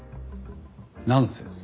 ナンセンス。